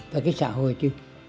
với cái xã hội chứ